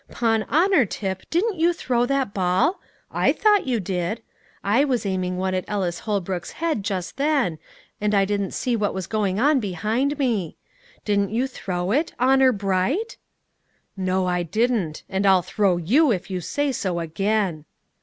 'Pon honour, Tip, didn't you throw that ball? I thought you did; I was aiming one at Ellis Holbrook's head just then, and I didn't see what was going on behind me. Didn't you throw it honour bright?" "No, I didn't; and I'll throw you if you say so again."